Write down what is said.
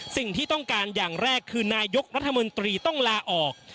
สิ่งที่ต้องการอย่างแรกคือนายกรัฐมนตรีต้องลาออก